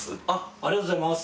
ありがとうございます。